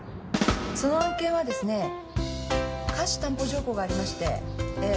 その案件はですね瑕疵担保条項がありましてええ。